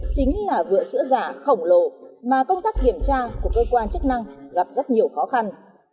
chính là vựa sữa giả khổng lồ mà công tác kiểm tra của cơ quan chức năng gặp rất nhiều khó khăn